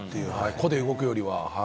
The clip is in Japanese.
個で動くよりは。